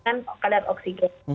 atau memang terjadi penyelesaian